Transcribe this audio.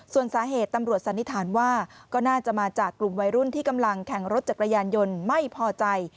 ส่วนสาเหตุตำรวจสันนิษฐานว่าก็น่าจะมาจากกลุ่มวัยรุ่นที่กำลังแข่งรถจักรยานยนต์ไม่พอใจ